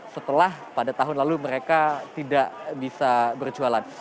setelah pada tahun lalu mereka tidak bisa berjualan